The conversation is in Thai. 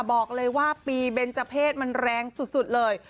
บอกเลยว่าปีเบนเจอร์เพศมันแรงสุดเลย